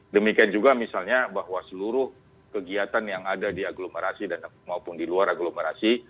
demikian juga misalnya bahwa seluruh kegiatan yang ada di aglomerasi dan maupun di luar agglomerasi